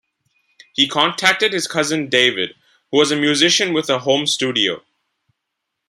He contacted his cousin David, who was a musician with a home studio.